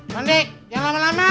mandi jangan lama lama